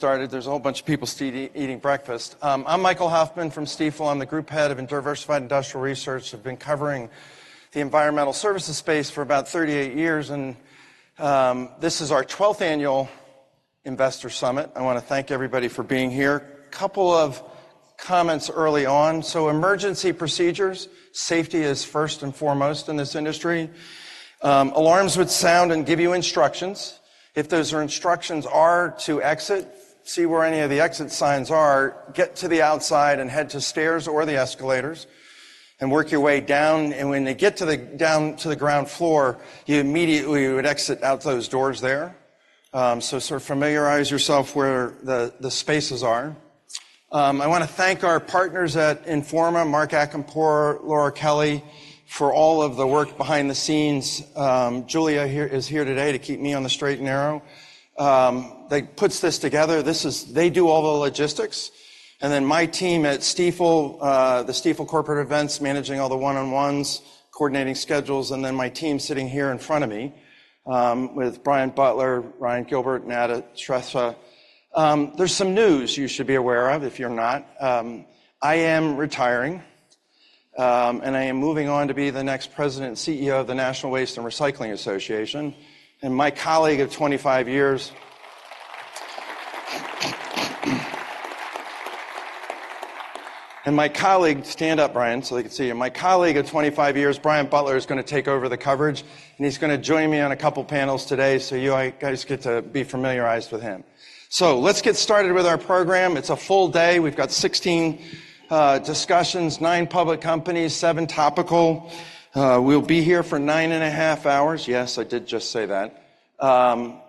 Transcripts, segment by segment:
Started, there's a whole bunch of people eating breakfast. I'm Michael Hoffman from Stifel. I'm the Group Head of Diversified Industrial Research. I've been covering the environmental services space for about 38 years, and this is our twelfth annual Investor Summit. I wanna thank everybody for being here. Couple of comments early on. So emergency procedures, safety is first and foremost in this industry. Alarms would sound and give you instructions. If those instructions are to exit, see where any of the exit signs are, get to the outside, and head to stairs or the escalators, and work your way down. And when you get down to the ground floor, you immediately would exit out those doors there. So sort of familiarize yourself where the spaces are. I wanna thank our partners at Informa, Mark Acampora, Laura Kelly, for all of the work behind the scenes. Julia here is here today to keep me on the straight and narrow. They put this together. They do all the logistics, and then my team at Stifel, the Stifel corporate events, managing all the one-on-ones, coordinating schedules, and then my team sitting here in front of me, with Brian Butler, Ryan Gilbert, Nada Sharaf. There's some news you should be aware of if you're not. I am retiring, and I am moving on to be the next President and CEO of the National Waste and Recycling Association, and my colleague of 25 years... Stand up, Brian, so they can see you. My colleague of 25 years, Brian Butler, is gonna take over the coverage, and he's gonna join me on a couple panels today, so you guys get to be familiarized with him. So let's get started with our program. It's a full day. We've got 16 discussions, 9 public companies, 7 topical. We'll be here for 9.5 hours. Yes, I did just say that.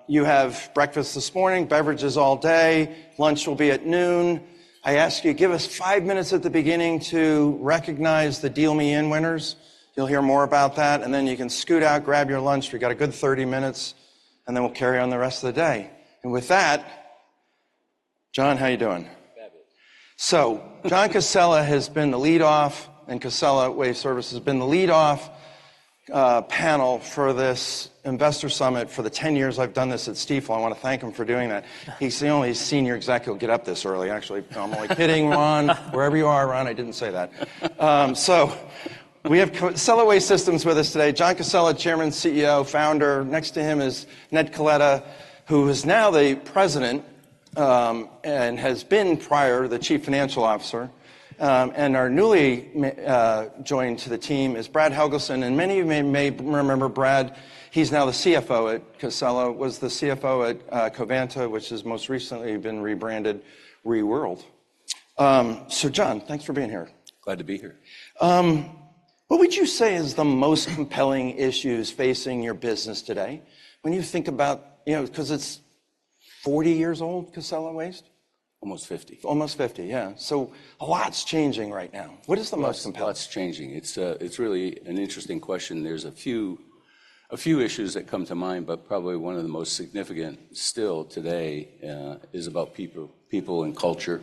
You have breakfast this morning, beverages all day. Lunch will be at noon. I ask you, give us 5 minutes at the beginning to recognize the Deal Me In winners. You'll hear more about that, and then you can scoot out, grab your lunch. You've got a good 30 minutes, and then we'll carry on the rest of the day. And with that, John, how you doing? Fabulous. So John Casella has been the lead-off, and Casella Waste Systems has been the lead-off panel for this Investor Summit for the 10 years I've done this at Stifel. I want to thank him for doing that. He's the only senior exec who'll get up this early, actually. No, I'm only kidding, Ron. Wherever you are, Ron, I didn't say that. So we have Casella Waste Systems with us today. John Casella, Chairman, CEO, Founder. Next to him is Ned Coletta, who is now the President, and has been prior, the Chief Financial Officer. And our newly joined to the team is Brad Helgeson, and many of you may remember Brad. He's now the CFO at Casella, was the CFO at Covanta, which has most recently been rebranded Reworld. So John, thanks for being here. Glad to be here. What would you say is the most compelling issues facing your business today? When you think about... You know, 'cause it's 40 years old, Casella Waste? Almost fifty. Almost 50, yeah. So a lot's changing right now. What is the most compelling- Well, a lot's changing. It's really an interesting question. There's a few issues that come to mind, but probably one of the most significant still today is about people and culture.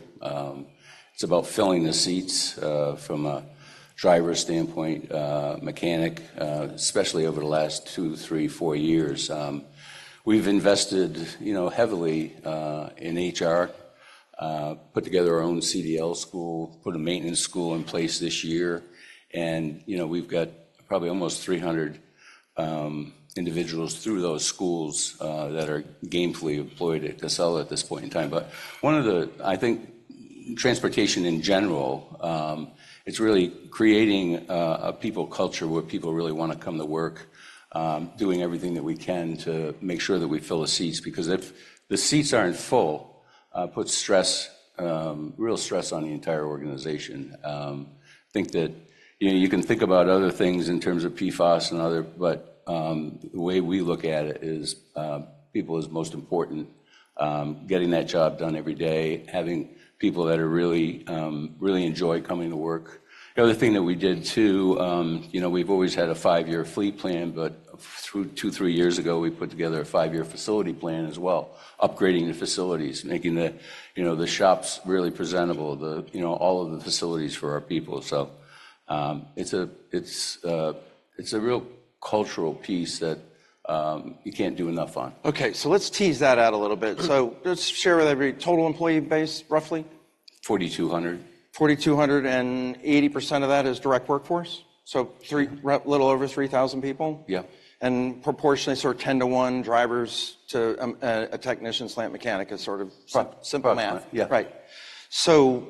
It's about filling the seats from a driver standpoint, mechanic, especially over the last two, three, four years. We've invested, you know, heavily in HR, put together our own CDL school, put a maintenance school in place this year, and, you know, we've got probably almost 300 individuals through those schools that are gainfully employed at Casella at this point in time. But one of the, I think transportation in general, it's really creating a people culture where people really wanna come to work, doing everything that we can to make sure that we fill the seats. Because if the seats aren't full, puts stress, real stress on the entire organization. I think that, you know, you can think about other things in terms of PFAS and other, but, the way we look at it is, people is most important. Getting that job done every day, having people that are really, really enjoy coming to work. The other thing that we did, too, you know, we've always had a five-year fleet plan, but through two, three years ago, we put together a five-year facility plan as well, upgrading the facilities, making the, you know, the shops really presentable, the, you know, all of the facilities for our people. So, it's a, it's, it's a real cultural piece that, you can't do enough on. Okay, so let's tease that out a little bit. So let's share with everybody, total employee base, roughly? 4,200. 4,200, and 80% of that is direct workforce? So three, little over 3,000 people. Yeah. Proportionally, sort of 10-to-1, drivers to a technician/mechanic is sort of- Right... simple math. Yeah. Right. So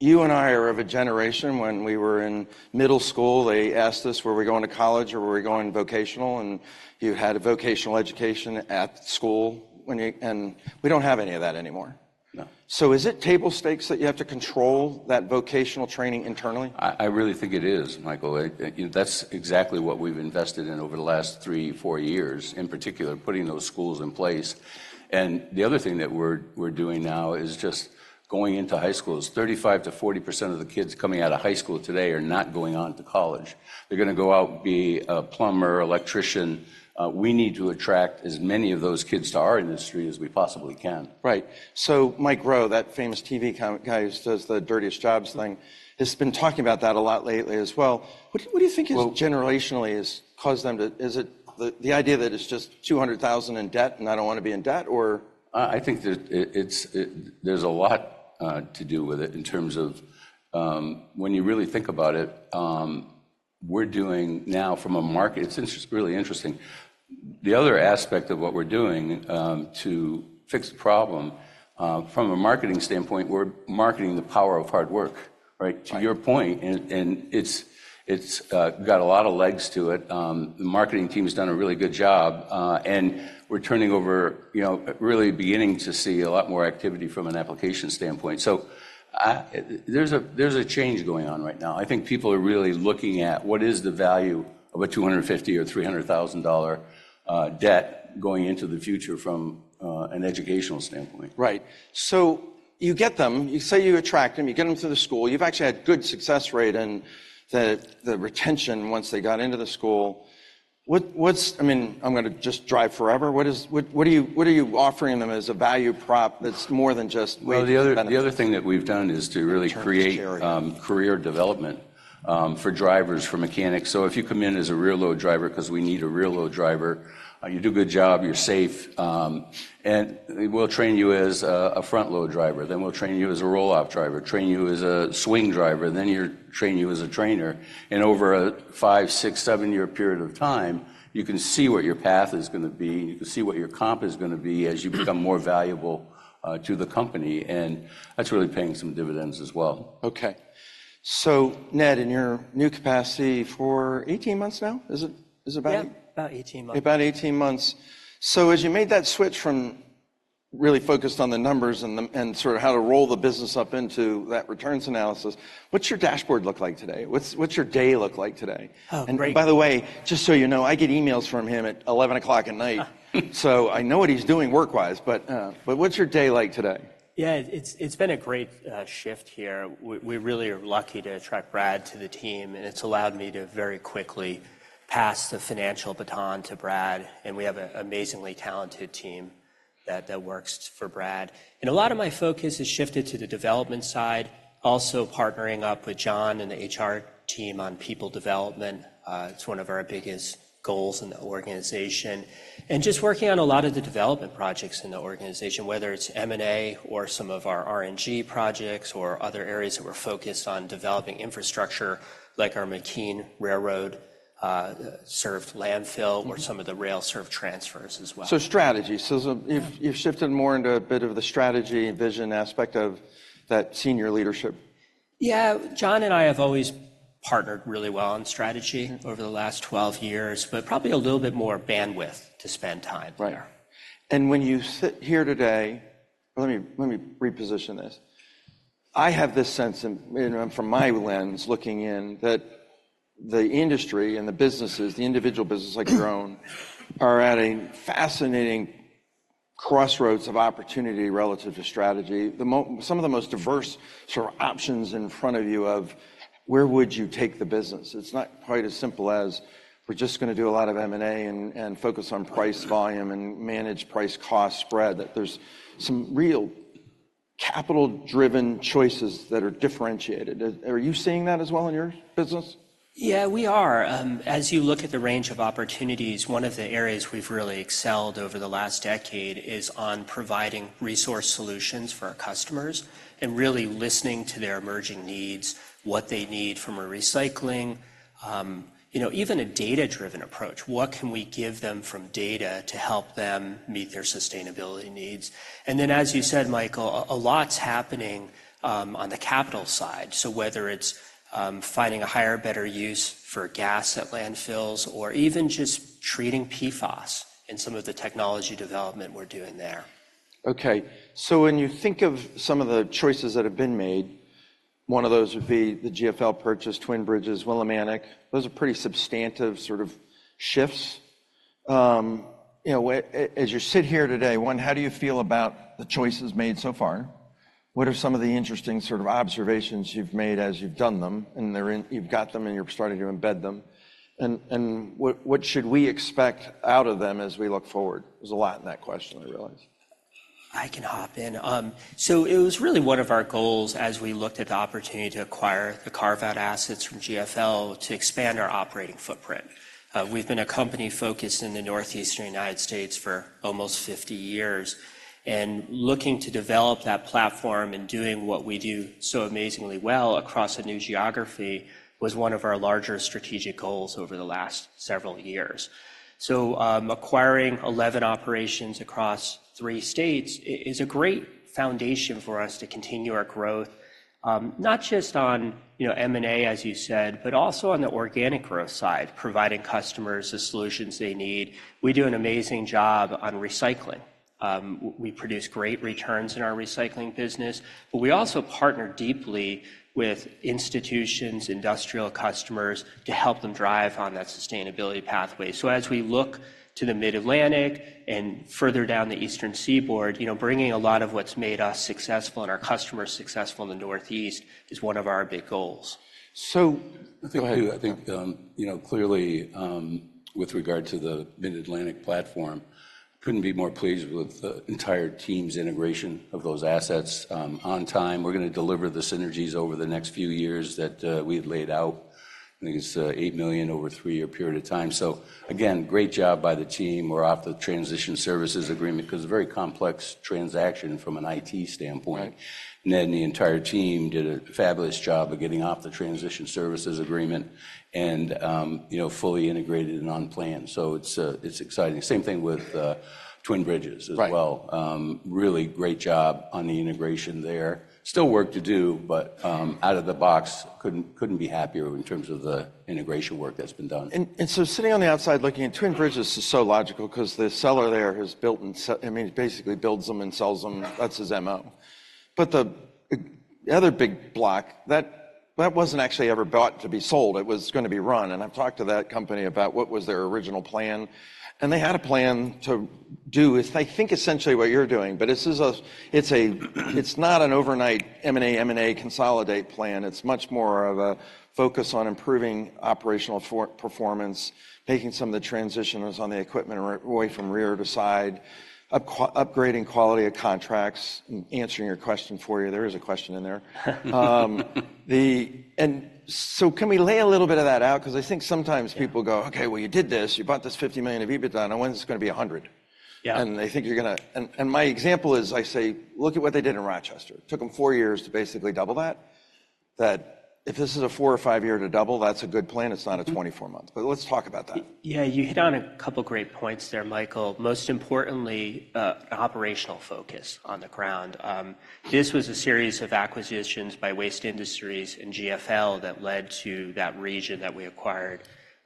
you and I are of a generation when we were in middle school, they asked us, were we going to college or were we going vocational, and you had a vocational education at school when you... We don't have any of that anymore. No. Is it table stakes that you have to control that vocational training internally? I really think it is, Michael. You know, that's exactly what we've invested in over the last 3-4 years, in particular, putting those schools in place. And the other thing that we're doing now is just going into high schools. 35%-40% of the kids coming out of high school today are not going on to college. They're gonna go out and be a plumber, electrician. We need to attract as many of those kids to our industry as we possibly can. Right. So Mike Rowe, that famous TV comedian guy who does the Dirty Jobs thing, has been talking about that a lot lately as well. What do you think has- Well- -generationally has caused them to... Is it the idea that it's just $200,000 in debt, and I don't wanna be in debt, or? I think that it's, there's a lot to do with it in terms of when you really think about it, we're doing now from a marketing standpoint, it's really interesting. The other aspect of what we're doing to fix the problem from a marketing standpoint, we're marketing the power of hard work, right? Right. To your point, and it's got a lot of legs to it. The marketing team has done a really good job, and we're turning over, you know, really beginning to see a lot more activity from an application standpoint. So, there's a change going on right now. I think people are really looking at what is the value of a $250,000 or $300,000 debt going into the future from an educational standpoint. Right. So you get them... You say you attract them, you get them through the school. You've actually had good success rate in the retention once they got into the school. What's—I mean, I'm gonna just drive forever. What are you offering them as a value prop that's more than just wage benefits? Well, the other thing that we've done is to really create- Return to charity... career development for drivers, for mechanics. So if you come in as a rear load driver, 'cause we need a rear load driver, you do a good job, you're safe, and we'll train you as a front load driver. Then we'll train you as a roll-off driver, train you as a swing driver, and then train you as a trainer. And over a 5-, 6-, 7-year period of time, you can see what your path is gonna be. You can see what your comp is gonna be as you become more valuable to the company, and that's really paying some dividends as well. Okay. So, Ned, in your new capacity for 18 months now, is it, is it about- Yep, about 18 months. About 18 months. So as you made that switch from really focused on the numbers and sort of how to roll the business up into that returns analysis, what's your dashboard look like today? What's your day look like today? Oh, great- By the way, just so you know, I get emails from him at 11:00 P.M. So I know what he's doing work-wise, but what's your day like today? Yeah, it's, it's been a great shift here. We, we really are lucky to attract Brad to the team, and it's allowed me to very quickly pass the financial baton to Brad, and we have an amazingly talented team that, that works for Brad. And a lot of my focus has shifted to the development side, also partnering up with John and the HR team on people development. It's one of our biggest goals in the organization, and just working on a lot of the development projects in the organization, whether it's M&A or some of our RNG projects, or other areas that we're focused on developing infrastructure, like our McKean railroad served landfill- Mm-hmm... or some of the rail-served transfers as well. So, strategy. So as a- Yeah... you've shifted more into a bit of the strategy vision aspect of that senior leadership. Yeah. John and I have always partnered really well on strategy over the last 12 years, but probably a little bit more bandwidth to spend time. Right. When you sit here today... Let me, let me reposition this. I have this sense, and, you know, from my lens looking in, that the industry and the businesses, the individual businesses like your own, are at a fascinating crossroads of opportunity relative to strategy. Some of the most diverse sort of options in front of you of where would you take the business? It's not quite as simple as we're just gonna do a lot of M&A and, and focus on price volume and manage price cost spread, that there's some real capital-driven choices that are differentiated. Are you seeing that as well in your business? Yeah, we are. As you look at the range of opportunities, one of the areas we've really excelled over the last decade is on providing resource solutions for our customers and really listening to their emerging needs, what they need from a recycling, you know, even a data-driven approach. What can we give them from data to help them meet their sustainability needs? And then, as you said, Michael, a lot's happening on the capital side. So whether it's finding a higher, better use for gas at landfills or even just treating PFAS and some of the technology development we're doing there. Okay. So when you think of some of the choices that have been made, one of those would be the GFL purchase, Twin Bridges, Willimantic. Those are pretty substantive sort of shifts. You know, as you sit here today, one, how do you feel about the choices made so far? What are some of the interesting sort of observations you've made as you've done them, and you've got them, and you're starting to embed them? And what should we expect out of them as we look forward? There's a lot in that question, I realize. I can hop in. So it was really one of our goals as we looked at the opportunity to acquire the carve-out assets from GFL to expand our operating footprint. We've been a company focused in the Northeastern United States for almost 50 years, and looking to develop that platform and doing what we do so amazingly well across a new geography was one of our larger strategic goals over the last several years. So, acquiring 11 operations across three states is a great foundation for us to continue our growth, not just on, you know, M&A, as you said, but also on the organic growth side, providing customers the solutions they need. We do an amazing job on recycling. We produce great returns in our recycling business, but we also partner deeply with institutions, industrial customers, to help them drive on that sustainability pathway. So as we look to the Mid-Atlantic and further down the Eastern Seaboard, you know, bringing a lot of what's made us successful and our customers successful in the Northeast is one of our big goals. So- Go ahead. I think, you know, clearly, with regard to the Mid-Atlantic platform, couldn't be more pleased with the entire team's integration of those assets, on time. We're gonna deliver the synergies over the next few years that, we had laid out. I think it's, $8 million over a 3-year period of time. So again, great job by the team. We're off the transition services agreement 'cause it's a very complex transaction from an IT standpoint. Right. Ned and the entire team did a fabulous job of getting off the transition services agreement and, you know, fully integrated and on plan. So it's, it's exciting. Same thing with, Twin Bridges as well. Right. Really great job on the integration there. Still work to do, but, out of the box, couldn't be happier in terms of the integration work that's been done. And so sitting on the outside looking in, Twin Bridges is so logical 'cause the seller there has built and—I mean, he basically builds them and sells them. That's his MO. But the other big block, that wasn't actually ever bought to be sold. It was gonna be run, and I've talked to that company about what was their original plan, and they had a plan to do with, I think, essentially what you're doing. But this is a—It's a, it's not an overnight M&A consolidate plan. It's much more of a focus on improving operational performance, making some of the transitions on the equipment away from rear to side, upgrading quality of contracts. Answering your question for you, there is a question in there. And so can we lay a little bit of that out? 'Cause I think sometimes- Yeah. People go, "Okay, well, you did this. You bought this $50 million of EBITDA, and when's this gonna be a $100? Yeah. And my example is, I say, look at what they did in Rochester. It took 'em four years to basically double that. That if this is a four- or five-year to double, that's a good plan. It's not- Mm-hmm... a 24-month. But let's talk about that. Yeah, you hit on a couple of great points there, Michael. Most importantly, operational focus on the ground. This was a series of acquisitions by Waste Industries and GFL that led to that region that we acquired,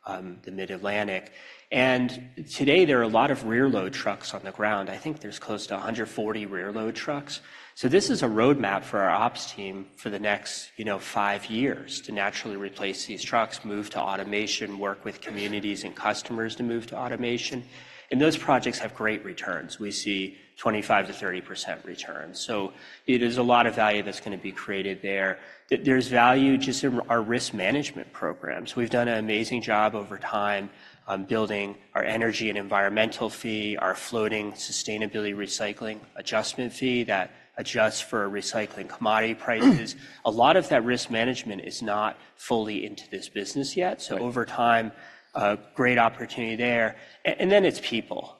the Mid-Atlantic. And today, there are a lot of rear-load trucks on the ground. I think there's close to 140 rear-load trucks. So this is a roadmap for our ops team for the next, you know, 5 years to naturally replace these trucks, move to automation, work with communities and customers to move to automation, and those projects have great returns. We see 25%-30% returns, so it is a lot of value that's gonna be created there. There, there's value just in our risk management programs. We've done an amazing job over time on building our Energy and Environmental Fee, our Floating Sustainability Recycling Adjustment Fee that adjusts for recycling commodity prices. A lot of that risk management is not fully into this business yet- Right... so over time, a great opportunity there. And then it's people.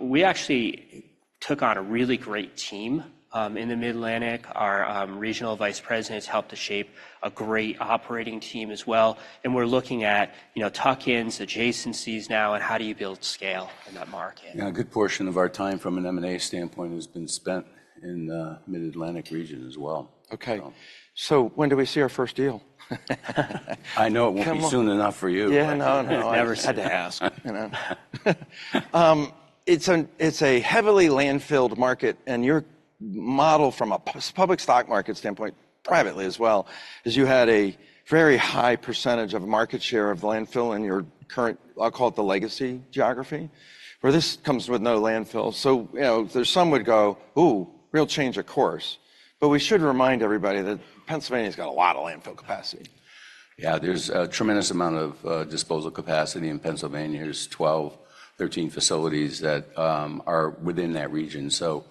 We actually took on a really great team in the Mid-Atlantic. Our regional vice president has helped to shape a great operating team as well, and we're looking at, you know, tuck-ins, adjacencies now, and how do you build scale in that market? Yeah, a good portion of our time from an M&A standpoint has been spent in the Mid-Atlantic region as well. Okay. So- When do we see our first deal? I know it won't be soon enough for you. Yeah, no, no. I never had to ask, you know. It's a heavily landfilled market, and your model from a public stock market standpoint, privately as well, is you had a very high percentage of market share of landfill in your current, I'll call it the legacy geography, where this comes with no landfill. So, you know, there's some would go, "Ooh, real change of course," but we should remind everybody that Pennsylvania's got a lot of landfill capacity. Yeah, there's a tremendous amount of disposal capacity in Pennsylvania. There's 12, 13 facilities that are within that region. So,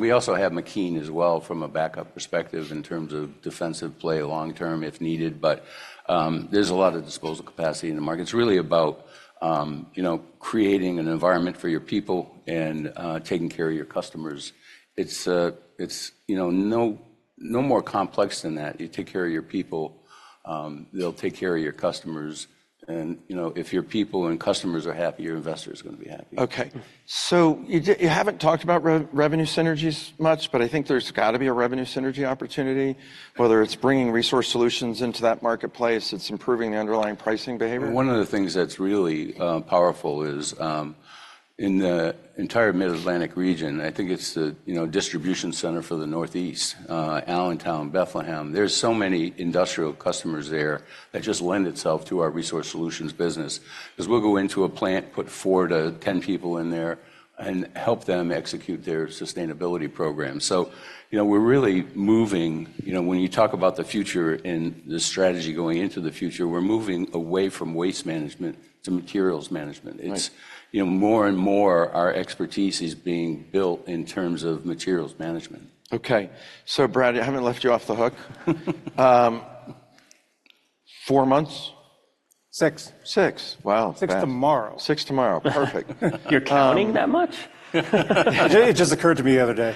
we also have McKean as well from a backup perspective in terms of defensive play long term, if needed. But, there's a lot of disposal capacity in the market. It's really about, you know, creating an environment for your people and taking care of your customers. It's, you know, no more complex than that. You take care of your people, they'll take care of your customers, and, you know, if your people and customers are happy, your investor is gonna be happy. Okay. Mm. So you haven't talked about revenue synergies much, but I think there's got to be a revenue synergy opportunity, whether it's bringing resource solutions into that marketplace, it's improving the underlying pricing behavior. One of the things that's really powerful is in the entire Mid-Atlantic region, I think it's the distribution center for the Northeast, Allentown, Bethlehem. There's so many industrial customers there that just lend itself to our resource solutions business, 'cause we'll go into a plant, put 4-10 people in there, and help them execute their sustainability program. So, you know, we're really moving. You know, when you talk about the future and the strategy going into the future, we're moving away from waste management to materials management. Right. It's, you know, more and more, our expertise is being built in terms of materials management. Okay. So, Brad, I haven't left you off the hook. Four months? Six. Six. Wow! Six tomorrow. 6 tomorrow, perfect. You're counting that much? It just occurred to me the other day.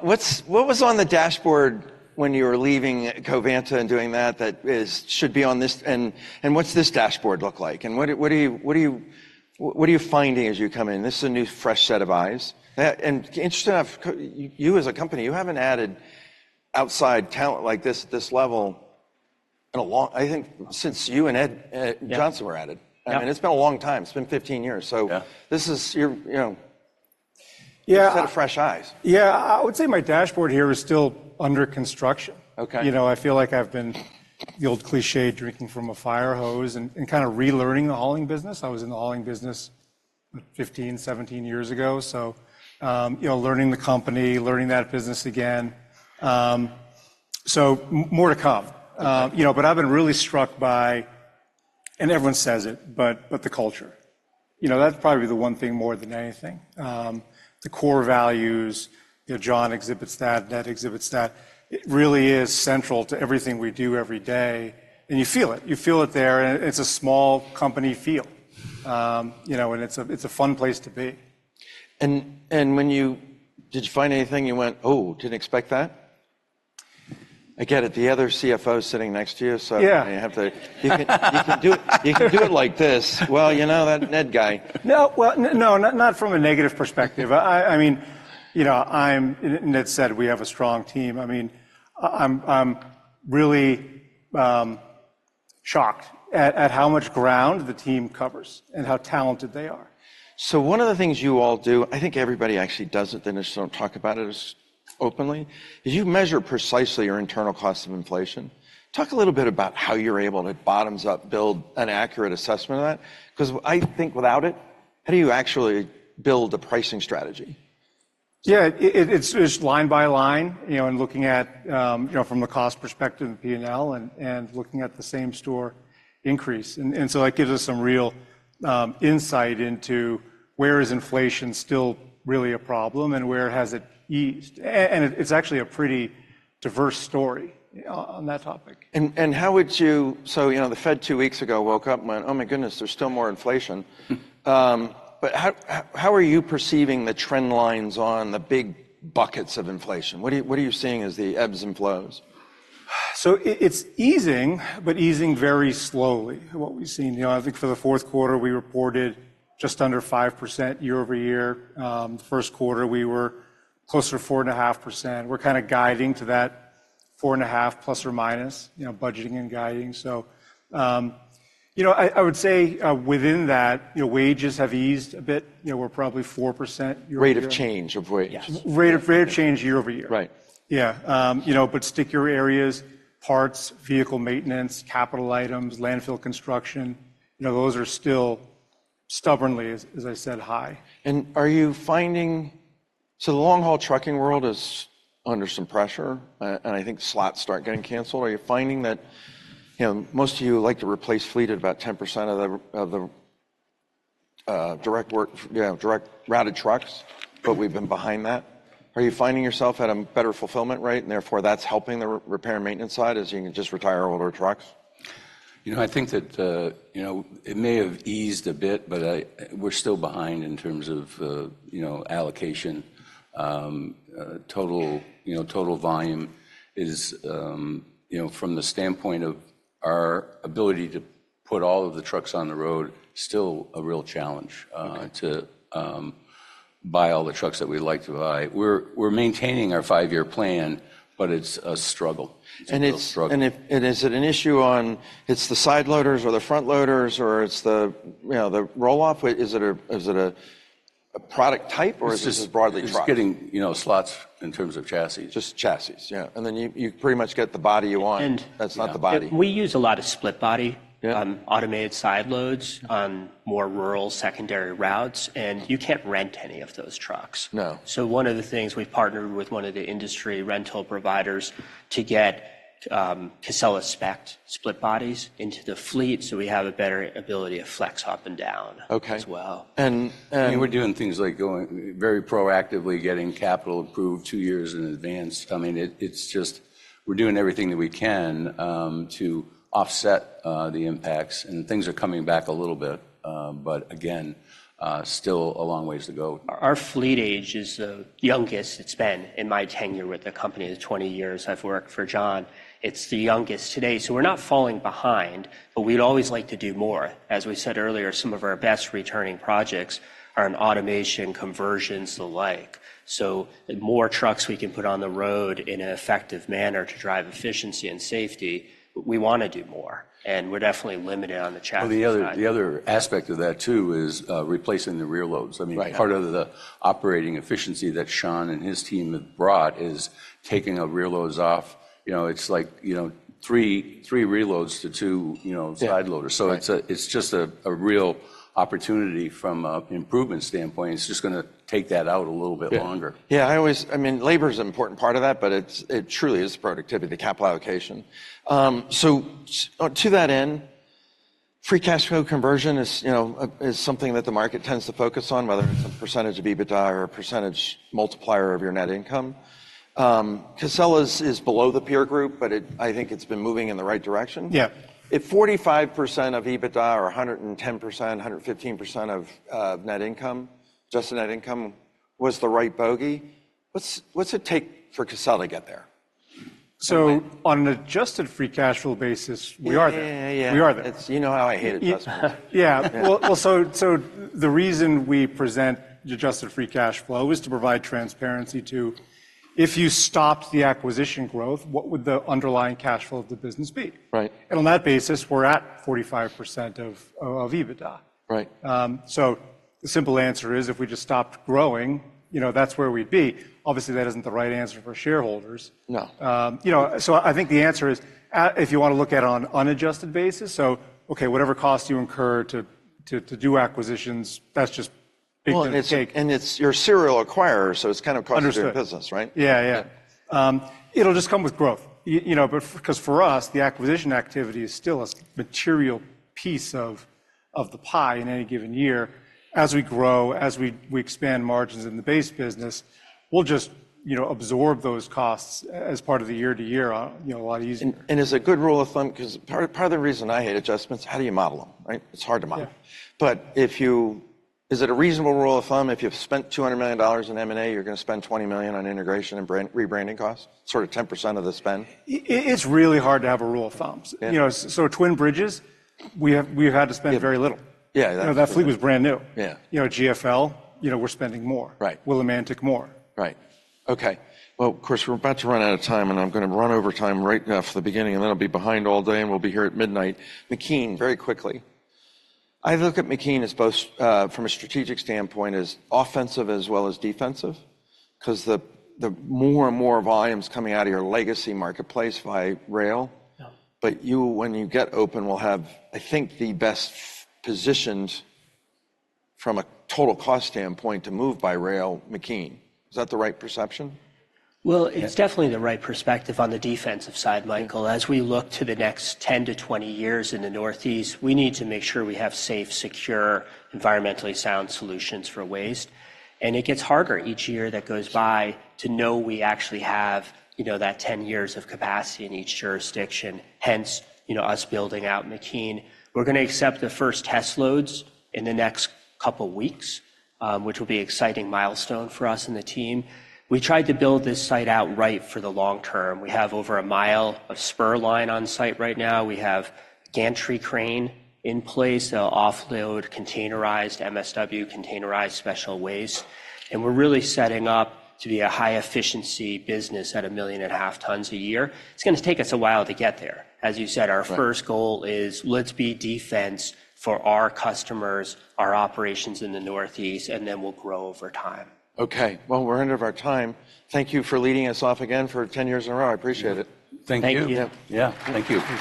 What's, what was on the dashboard when you were leaving Covanta and doing that, that is, should be on this, and, and what's this dashboard look like? And what, what are you, what are you, what are you finding as you come in? This is a new, fresh set of eyes. And interesting enough, you as a company, you haven't added outside talent like this at this level in a long—I think since you and Ed. Yeah... Johnson were added. Yeah. I mean, it's been a long time. It's been 15 years, so- Yeah... this is, you're, you know- Yeah... a set of fresh eyes. Yeah, I would say my dashboard here is still under construction. Okay. You know, I feel like I've been, the old cliché, drinking from a fire hose and, and kind of relearning the hauling business. I was in the hauling business 15, 17 years ago, so, you know, learning the company, learning that business again. So more to come. Okay. You know, but I've been really struck by, and everyone says it, but the culture. You know, that's probably the one thing more than anything. The core values, you know, John exhibits that, Ned exhibits that. It really is central to everything we do every day, and you feel it. You feel it there, and it's a small company feel. You know, and it's a fun place to be. And when you... Did you find anything, you went, "Oh, didn't expect that?" Again, at the other CFO sitting next to you, so- Yeah... You can, you can do it, you can do it like this. "Well, you know, that Ned guy. No. Well, no, not from a negative perspective. I mean, you know, I'm, and Ned said we have a strong team. I mean, I'm really shocked at how much ground the team covers and how talented they are. So one of the things you all do, I think everybody actually does it, they just don't talk about it as openly, is you measure precisely your internal cost of inflation. Talk a little bit about how you're able to bottoms-up build an accurate assessment of that, 'cause I think without it, how do you actually build a pricing strategy? Yeah, it's line by line, you know, and looking at, you know, from a cost perspective and P&L and looking at the same store increase. And so that gives us some real insight into where is inflation still really a problem and where has it eased? And it's actually a pretty diverse story on that topic. So, you know, the Fed two weeks ago woke up and went, "Oh, my goodness, there's still more inflation. Hmm. But how are you perceiving the trend lines on the big buckets of inflation? What are you seeing as the ebbs and flows? So it, it's easing, but easing very slowly. What we've seen, you know, I think for the fourth quarter, we reported just under 5% year-over-year. First quarter, we were closer to 4.5%. We're kind of guiding to that 4.5%, plus or minus, you know, budgeting and guiding. So, you know, I, I would say, within that, you know, wages have eased a bit. You know, we're probably 4% year-over-year. Rate of change of wages? Yes. Rate of- Rate of change year-over-year. Right. Yeah. You know, but stickier areas, parts, vehicle maintenance, capital items, landfill construction, you know, those are still stubbornly, as I said, high. Are you finding... So the long-haul trucking world is under some pressure, and I think slots start getting canceled. Are you finding that, you know, most of you like to replace fleet at about 10% of the direct work, you know, direct routed trucks, but we've been behind that. Are you finding yourself at a better fulfillment rate, and therefore, that's helping the repair and maintenance side, as you can just retire older trucks? You know, I think that, you know, it may have eased a bit, but I, we're still behind in terms of, you know, allocation. Total, you know, total volume is, you know, from the standpoint of our ability to put all of the trucks on the road, still a real challenge- Okay... to buy all the trucks that we'd like to buy. We're maintaining our five-year plan, but it's a struggle. It's a real struggle. Is it an issue on, is it the side loaders or the front loaders, or is it the, you know, the roll-off? Is it a product type, or is it just broadly trucks? It's getting, you know, slots in terms of chassis. Just chassis. Yeah, and then you, you pretty much get the body you want. And- That's not the body. We use a lot of split body- Yeah... automated side loads on more rural secondary routes, and you can't rent any of those trucks. No. One of the things, we've partnered with one of the industry rental providers to get Casella spec'd split bodies into the fleet, so we have a better ability to flex up and down. Okay... as well. And, and- I mean, we're doing things like going very proactively getting capital approved two years in advance. I mean, it's just we're doing everything that we can to offset the impacts, and things are coming back a little bit. But again, still a long ways to go. Our fleet age is the youngest it's been in my tenure with the company, the 20 years I've worked for John. It's the youngest today, so we're not falling behind, but we'd always like to do more. As we said earlier, some of our best-returning projects are in automation, conversions, the like. So the more trucks we can put on the road in an effective manner to drive efficiency and safety, we wanna do more, and we're definitely limited on the chassis side. Well, the other, the other aspect of that, too, is replacing the reloads. Right. I mean, part of the operating efficiency that Sean and his team have brought is taking the reloads off. You know, it's like, you know, three reloads to two, you know- Yeah... side loaders. Right. It's just a real opportunity from an improvement standpoint. It's just gonna take that out a little bit longer. Yeah. Yeah, I mean, labor is an important part of that, but it's, it truly is productivity, the capital allocation. So to that end, free cash flow conversion is, you know, is something that the market tends to focus on, whether it's a percentage of EBITDA or a percentage multiplier of your net income. Casella's is below the peer group, but it, I think it's been moving in the right direction. Yeah. If 45% of EBITDA or 110%, 115% of net income, adjusted net income, was the right bogey, what's it take for Casella to get there? So on an Adjusted Free Cash Flow basis, we are there. Yeah, yeah. We are there. It's... you know how I hate it plus me. Yeah. Well, so the reason we present the Adjusted Free Cash Flow is to provide transparency to, if you stopped the acquisition growth, what would the underlying cash flow of the business be? Right. On that basis, we're at 45% of EBITDA. Right. The simple answer is, if we just stopped growing, you know, that's where we'd be. Obviously, that isn't the right answer for shareholders. No. You know, so I think the answer is, if you wanna look at it on an unadjusted basis, so, okay, whatever costs you incur to do acquisitions, that's just big cake- Well, you're a serial acquirer, so it's kind of- Understood... part of your business, right? Yeah, yeah. It'll just come with growth. You know, but 'cause for us, the acquisition activity is still a material piece of the pie in any given year. As we grow, as we expand margins in the base business, we'll just, you know, absorb those costs as part of the year-to-year, you know, a lot easier. As a good rule of thumb, 'cause part of the reason I hate adjustments, how do you model them, right? It's hard to model. Yeah. Is it a reasonable rule of thumb, if you've spent $200 million in M&A, you're gonna spend $20 million on integration and brand-rebranding costs, sort of 10% of the spend? It's really hard to have a rule of thumb. Yeah. You know, so Twin Bridges, we have, we had to spend very little. Yeah, yeah. You know, that fleet was brand new. Yeah. You know, GFL, you know, we're spending more. Right. Willimantic, more. Right. Okay, well, of course, we're about to run out of time, and I'm gonna run over time right now from the beginning, and then I'll be behind all day, and we'll be here at midnight. McKean, very quickly, I look at McKean as both from a strategic standpoint, as offensive as well as defensive, 'cause the more and more volume's coming out of your legacy marketplace via rail. Yeah. You, when you get open, will have, I think, the best positioned from a total cost standpoint to move by rail, McKean. Is that the right perception? Well, it's definitely the right perspective on the defensive side, Michael. Yeah. As we look to the next 10-20 years in the Northeast, we need to make sure we have safe, secure, environmentally sound solutions for waste, and it gets harder each year that goes by to know we actually have, you know, that 10 years of capacity in each jurisdiction. Hence, you know, us building out McKean. We're gonna accept the first test loads in the next couple weeks, which will be an exciting milestone for us and the team. We tried to build this site out right for the long term. We have over a mile of spur line on site right now. We have gantry crane in place. They'll offload containerized MSW, containerized special waste, and we're really setting up to be a high-efficiency business at 1.5 million tons a year. It's gonna take us a while to get there. As you said- Right... our first goal is let's be defensive for our customers, our operations in the Northeast, and then we'll grow over time. Okay. Well, we're out of our time. Thank you for leading us off again for 10 years in a row. I appreciate it. Thank you. Thank you. Yeah. Thank you.